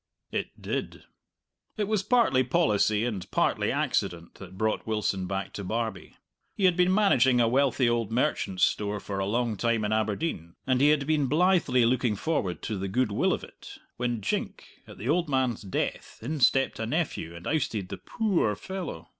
It did. It was partly policy and partly accident that brought Wilson back to Barbie. He had been managing a wealthy old merchant's store for a long time in Aberdeen, and he had been blithely looking forward to the goodwill of it, when jink, at the old man's death, in stepped a nephew, and ousted the poo oor fellow.